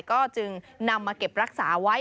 ก็จึงนำมาเก็บรักษาไว้